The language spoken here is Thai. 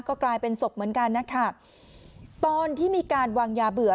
ก็กลายเป็นศพเหมือนกันนะคะตอนที่มีการวางยาเบื่อ